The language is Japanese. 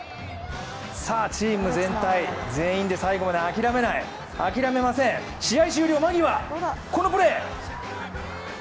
さあチーム全員で最後まで諦めない、諦めません、試合終了間際、このプレー。